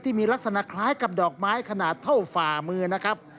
ที่มีลักษณะคล้ายกับดอกไม้ขนาดเท่าฝ่ามือนะครับ